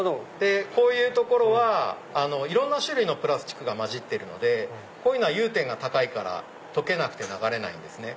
こういう所はいろんな種類のプラスチックが交じってるのでこういうのは融点が高いから溶けなくて流れないんですね。